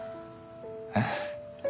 えっ？